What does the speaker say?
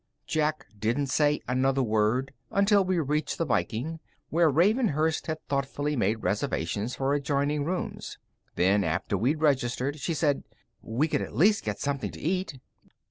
Jack didn't say another word until we reached the Viking, where Ravenhurst had thoughtfully made reservations for adjoining rooms. Then, after we'd registered, she said: "We could at least get something to eat."